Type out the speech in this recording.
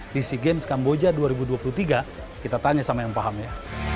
di sea games kamboja dua ribu dua puluh tiga kita tanya sama yang paham ya